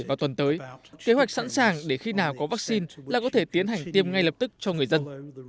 vào tuần tới kế hoạch sẵn sàng để khi nào có vaccine là có thể tiến hành tiêm ngay lập tức cho người dân